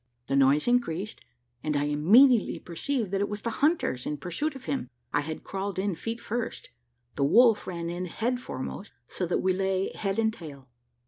The noise increased, and I immediately perceived that it was the hunters in pursuit of him. I had crawled in feet first, the wolf ran in head foremost, so that we lay head and tail.